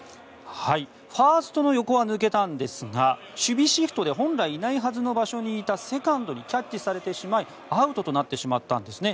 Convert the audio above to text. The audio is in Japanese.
ファーストの横は抜けたんですが守備シフトで本来いないはずの場所にいたセカンドにキャッチされてしまい、アウトになってしまったんですね。